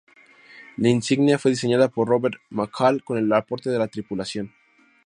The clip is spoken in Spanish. La insignia fue diseñada por Robert McCall, con el aporte de la tripulación.